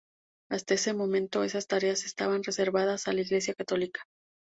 Hasta ese momento, esas tareas estaban reservadas a la Iglesia Católica.